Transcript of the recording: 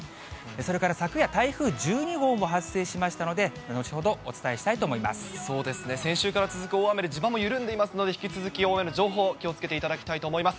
それから昨夜、台風１２号も発生しましたので、後ほどお伝えしたそうですね、先週から続く大雨で地盤も緩んでいますので、引き続き大雨への情報、気をつけていただきたいと思います。